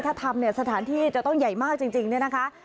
ถ้าทำเนี่ยสถานที่จะต้องใหญ่มากจริงเนี่ยนะคะ